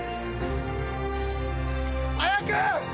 早く！